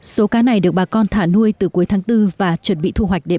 số cá này được bà con thả nuôi từ cuối tháng bốn và chuẩn bị thu hoạch để